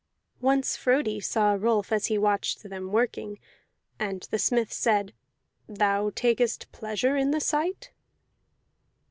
Once Frodi saw Rolf as he watched them working, and the smith said, "Thou takest pleasure in the sight?"